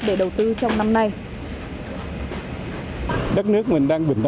để đầu tư trong năm nay